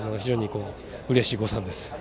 うれしい誤算です。